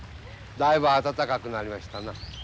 だいぶ暖かくなりましたな。